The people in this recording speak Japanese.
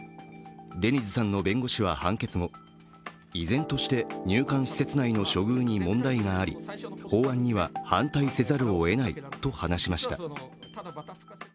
デニズさんの弁護士は判決後、依然として入館施設内の処遇に問題があり、法案には反対せざるをえないと話しました。